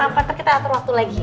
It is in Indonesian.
nanti kita atur waktu lagi ya